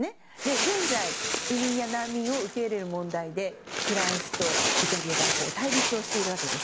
現在、移民や難民を受け入れる問題でフランスとイタリアが対立しているんです。